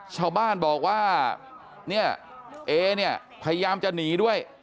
ชาวบ้านบอกว่าเนี่ยเอเนี่ยพยายามจะหนีด้วย